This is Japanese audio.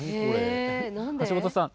橋本さん